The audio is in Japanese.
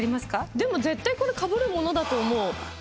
でも絶対これかぶるものだと思う。